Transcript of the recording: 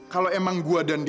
kalau emang gue dan dia berdua